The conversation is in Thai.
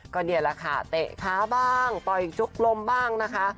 ก็เดี๋ยวแหละค่ะเตะค้าบ้างปล่อยยกโชคลมบ้างนะคะ